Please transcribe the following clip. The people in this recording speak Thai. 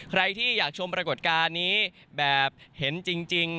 ใครที่อยากชมปรากฏการณ์นี้แบบเห็นจริง